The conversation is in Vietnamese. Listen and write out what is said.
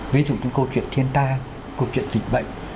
ví dụ như câu chuyện thiên tai câu chuyện dịch bệnh